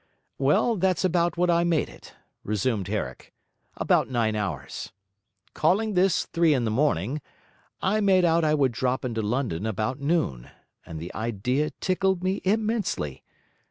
'Well, that's about what I made it,' resumed Herrick, 'about nine hours. Calling this three in the morning, I made out I would drop into London about noon; and the idea tickled me immensely.